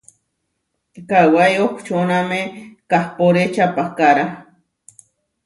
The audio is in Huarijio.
Kawái ohčóname kahpóre čapahkára.